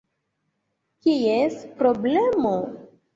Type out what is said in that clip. Kies problemo?